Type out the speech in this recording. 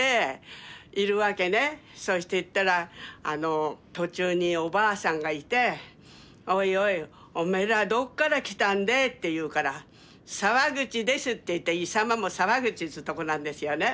そうして行ったら途中におばあさんがいて「おいおいおめえらどっから来たんでぇ」って言うから「沢口です」って言って石間も沢口っていうとこなんですよね。